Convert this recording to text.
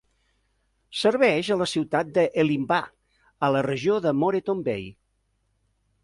Serveix a la ciutat d'Elimbah, a la regió de Moreton Bay.